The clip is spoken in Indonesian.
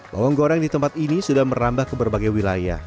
bawang goreng di tempat ini sudah merambah ke berbagai wilayah